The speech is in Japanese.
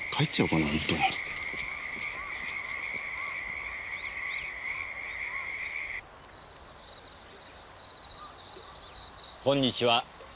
こんにちは。